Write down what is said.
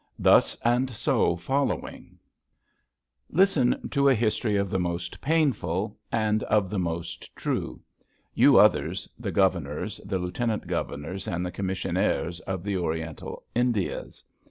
Thus and so following: Listen to a history of the most painful — and of the most true. You others, the Governors, the Lieutenant Governors, and the Commissionaires of the Oriental Indias.